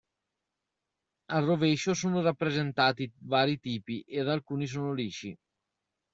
Al rovescio sono rappresentati vari tipi, e alcuni sono lisci.